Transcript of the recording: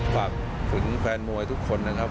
ฝากถึงแฟนมวยทุกคนนะครับ